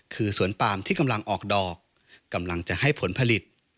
คือสวนปามที่กำลังออกดอกกำลังจะให้ผลผลิต